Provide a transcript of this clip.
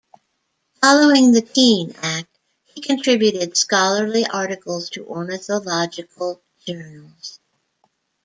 Following the Keene Act, he contributed scholarly articles to ornithological journals.